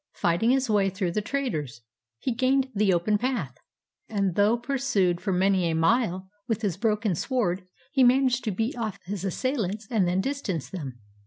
Fighting his way through the traitors, he gained the open path, and though pur sued for many a mile, with his broken sword he managed to beat off his assailants and then distance them.